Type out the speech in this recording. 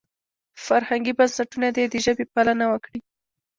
فرهنګي بنسټونه دې د ژبې پالنه وکړي.